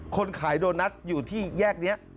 คนขายโดนัทอยู่ที่แยกนี้